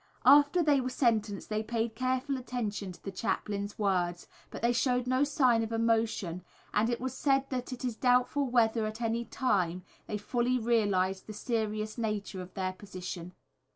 After they were sentenced they paid careful attention to the chaplain's words, but they showed no sign of emotion, and it was said that "it is doubtful whether at any time they fully realised the serious nature of their position."